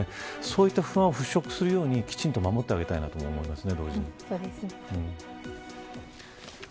そういった不安を払拭するようにきちんと守ってあげたいなと思いますね。